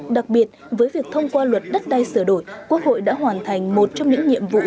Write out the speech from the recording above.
đặc biệt với việc thông qua luật đất đai sửa đổi quốc hội đã hoàn thành một trong những nhiệm vụ